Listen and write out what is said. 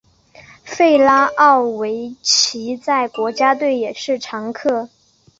弗拉奥维奇在国家队也是常客。